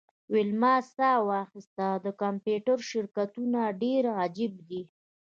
ویلما ساه واخیسته د کمپیوټر شرکتونه ډیر عجیب دي